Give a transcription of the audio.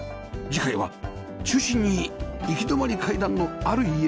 次回は中心に行き止まり階段のある家